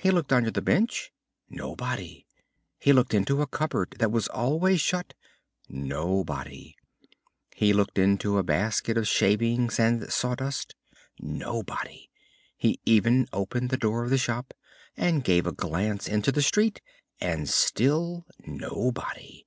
He looked under the bench nobody; he looked into a cupboard that was always shut nobody; he looked into a basket of shavings and sawdust nobody; he even opened the door of the shop and gave a glance into the street and still nobody.